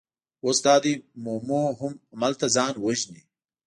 اوس دا دی مومو هم هملته ځان وژني.